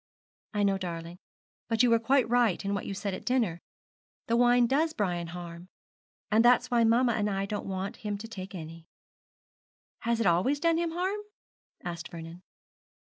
'I know, darling; but you were quite right in what you said at dinner. The wine does Brian harm, and that's why mamma and I don't want him to take any.' 'Has it always done him harm?' asked Vernon.